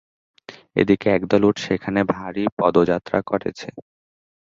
এদিকে, একদল উট সেখানে ভারী পদযাত্রা করেছে।